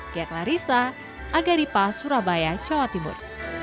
ketna risa agaripa surabaya cawa timur